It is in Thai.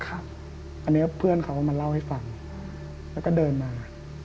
อันนี้เพื่อนเขามาเล่าให้ฟังแล้วก็เดินมา